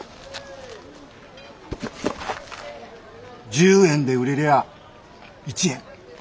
１０円で売れりゃあ１円。